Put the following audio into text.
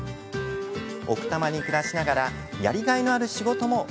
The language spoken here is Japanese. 奥多摩に暮らしながらやりがいのある仕事も。